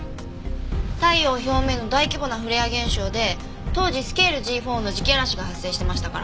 太陽表面の大規模なフレア現象で当時スケールＧ４の磁気嵐が発生してましたから。